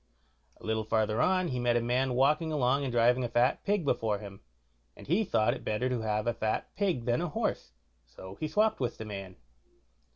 A little farther on he met a man walking along and driving a fat pig before him, and he thought it better to have a fat pig than a horse, so he swopped with the man.